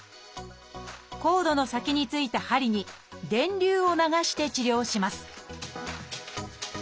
コードの先に付いた針に電流を流して治療します